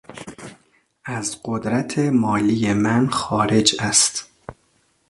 از قدرت مالی من خارج است.